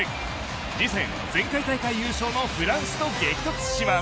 次戦、前回大会優勝のフランスと激突します。